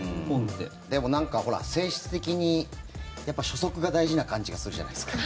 でも、なんか、ほら初速が大事な感じがするじゃないですか。